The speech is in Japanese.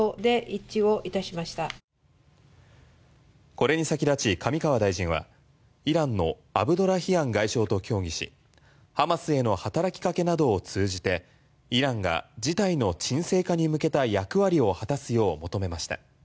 これに先立ち上川大臣はイランのアブドラヒアン外相と協議しハマスへの働きかけなどを通じてイランが事態の沈静化に向けた役割を果たすよう求めました。